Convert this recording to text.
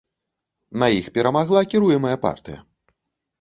На іх перамагла кіруемая партыя.